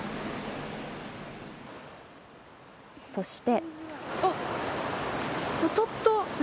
そして。